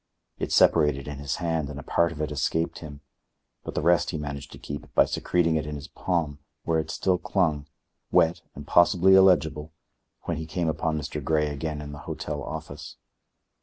It separated in his hand and a part of it escaped him, but the rest he managed to keep by secreting it in his palm, where it still clung, wet and possibly illegible, when he came upon Mr. Grey again in the hotel office.